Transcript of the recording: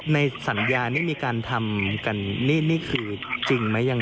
ในสัญญานี่มีการทำกันนี่คือจริงไหมยังไง